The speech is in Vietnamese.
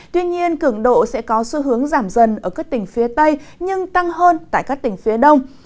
tuy nhiên cường độ sẽ có xu hướng giảm dần ở các tỉnh phía tây nhưng tăng hơn tại các tỉnh phía đông